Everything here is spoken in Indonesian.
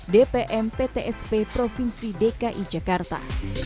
dpm ptsp provinsi dki jakarta